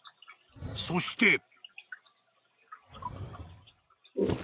［そして］